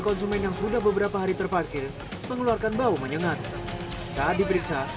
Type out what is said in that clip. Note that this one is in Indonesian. konsumen yang sudah beberapa hari terparkir mengeluarkan bau menyengat saat diperiksa